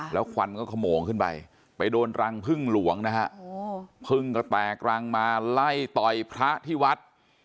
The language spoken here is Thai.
แล้วควันก็ขโมงขึ้นไปไปโดนรังพึ่งหลวงนะฮะพึ่งก็แตกรังมาไล่ต่อยพระที่วัด